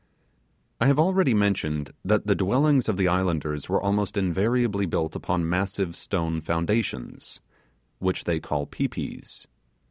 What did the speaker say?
I have already mentioned that the dwellings of the islanders were almost invariably built upon massive stone foundations, which they call pi pis.